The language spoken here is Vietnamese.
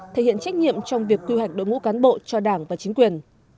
thể hiện trách nhiệm trong việc quy hoạch đội ngũ cán bộ cho đảng và chính quyền